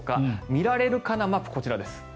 見られるかなマップこちらです。